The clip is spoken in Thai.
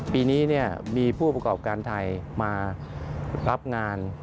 ปีนี้มีผู้ประกอบการไทยมารับงาน